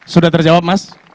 sudah terjawab mas